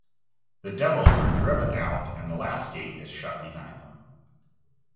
The devils are driven out and the last gate is shut behind them.